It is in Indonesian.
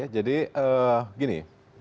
ya jadi gini